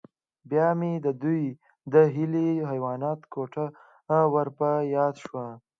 بیا مې د دوی د اهلي حیواناتو کوټه ور په یاد شوه